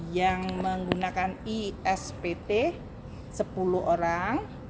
yang menggunakan e sbt sepuluh orang